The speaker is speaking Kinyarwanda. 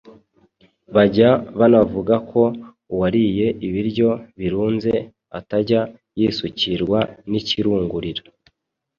Bajya banavuga ko uwariye ibiryo birunze atajya yisukirwa n’ikirungurira.